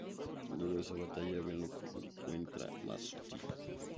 Luego de esa batalla, Ben lo encuentra mas útil.